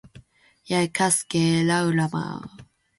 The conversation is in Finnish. Ja käskee laulamaan.